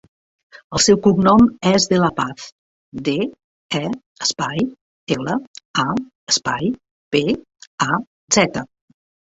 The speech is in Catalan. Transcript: El seu cognom és De La Paz: de, e, espai, ela, a, espai, pe, a, zeta.